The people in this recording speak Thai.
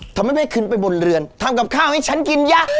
ทำไมไม่ขึ้นไปบนเรือนทำกับข้าวให้ฉันกินยะ